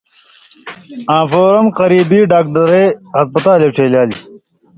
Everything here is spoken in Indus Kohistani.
آں فورًا قریبی ڈاگدرے/ ہسپتالے ڇېلیائ۔